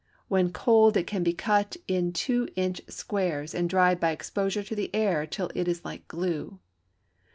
When cold it can be cut out in two inch squares and dried by exposure to the air till it is like glue.